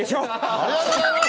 ありがとうございます。